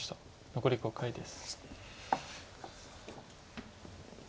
残り５回です。